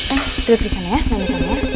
eh duduk di sana ya main di sana ya